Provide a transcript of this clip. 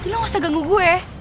lo gak usah ganggu gue